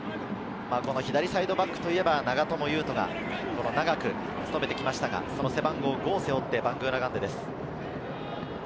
左サイドバックといえば長友佑都が長く務めてきましたが、背番号５を背負ってバングーナガンデです。